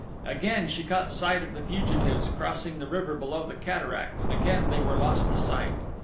Again she caught sight of the fugitives crossing the river below the cataract and again they were lost to sight.